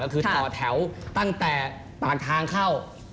คือต่อแถวตั้งแต่ปากทางเข้า